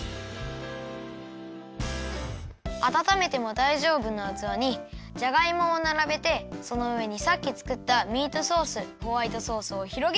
あたためてもだいじょうぶなうつわにじゃがいもをならべてそのうえにさっきつくったミートソースホワイトソースをひろげる！